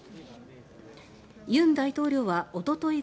尹大統領はおととい